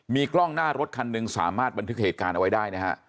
มีกล้องหน้ารถคันหนึ่งสามารถบันทึกเหตุการณ์เอาไว้ได้นะฮะ